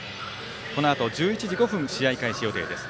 このあと１１時５分試合開始予定です